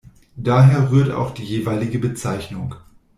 Daher rührt auch die jeweilige Bezeichnung.